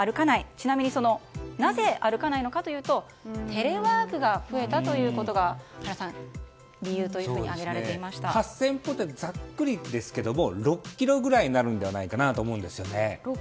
ちなみになぜ歩かないのかというとテレワークが増えたことが８０００歩ってざっくりですけど６ｋｍぐらいになるんじゃないかなと思うんですよね。